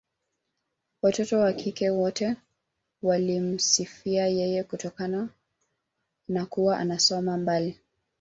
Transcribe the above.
Watoto wa kike wote walimsifia yeye kutokana na kuwa anasoma mbali